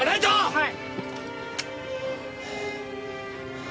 はい！